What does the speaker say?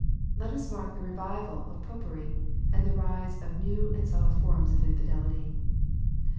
Let us mark the revival of Popery, and the rise of new and subtle forms of infidelity.